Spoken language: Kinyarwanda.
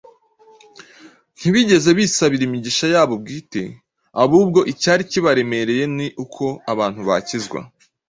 Ntibigeze bisabira imigisha yabo bwite abubwo icyari kibaremereye ni uko abantu bakizwa.